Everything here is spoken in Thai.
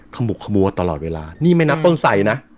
ขมุกขมัวตลอดเวลานี่ไม่นับต้นไสนะ